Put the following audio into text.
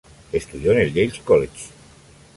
Estudió en el Yale College.